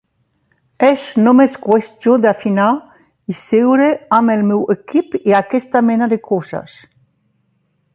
És només qüestió d'afinar i seure amb el meu equip i aquesta mena de coses.